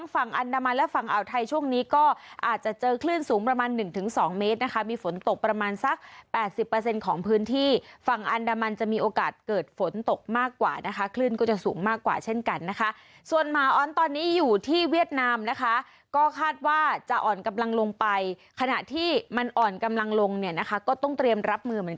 ฝั่งอันดามันและฝั่งอ่าวไทยช่วงนี้ก็อาจจะเจอคลื่นสูงประมาณหนึ่งถึงสองเมตรนะคะมีฝนตกประมาณสักแปดสิบเปอร์เซ็นต์ของพื้นที่ฝั่งอันดามันจะมีโอกาสเกิดฝนตกมากกว่านะคะคลื่นก็จะสูงมากกว่าเช่นกันนะคะส่วนหมาอ้อนตอนนี้อยู่ที่เวียดนามนะคะก็คาดว่าจะอ่อนกำลังลงไปขณะที่มันอ่อนกำลังลงเนี่ยนะคะก็ต้องเตรียมรับมือเหมือน